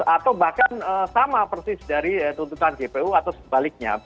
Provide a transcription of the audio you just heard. atau bahkan sama persis dari tuntutan jpu atau sebaliknya